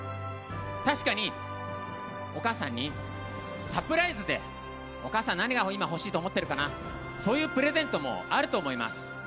確かに、お母さんにサプライズでお母さん、今何が欲しいと思ってるかなとそういうプレゼントもあると思います。